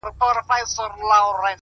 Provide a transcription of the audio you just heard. په یوه شان وه د دواړو معاسونه,